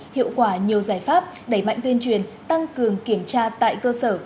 hiệu quả nhiều giải pháp đẩy mạnh tuyên truyền tăng cường kiểm tra tại cơ sở